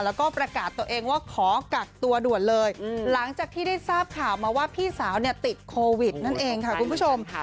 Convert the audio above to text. แล้วก็ประกาศตัวเองว่าขอกักตัวด่วนเลยหลังจากที่ได้ทราบข่าวมาว่าพี่สาวเนี่ยติดโควิดนั่นเองค่ะคุณผู้ชม